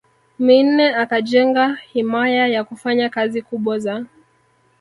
Minne akajenga himaya yakufanya kazi kubwa za